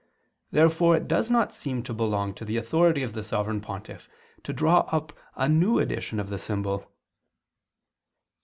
Therefore it does not seem to belong to the authority of the Sovereign Pontiff to draw up a new edition of the symbol.